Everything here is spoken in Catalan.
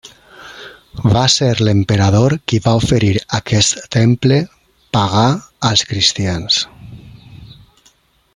Va ser l'emperador qui va oferir aquest temple pagà als cristians.